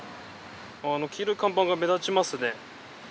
あの黄色い看板が目立ちますね。